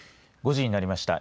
５時になりました。